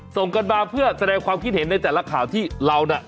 ส่งกันมาเพื่อแสดงความคิดเห็นในแต่ละข่าวที่เราน่ะ